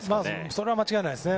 それは間違いないですね。